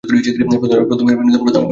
প্রথমত, বিনোদন প্রদান করতে হবে।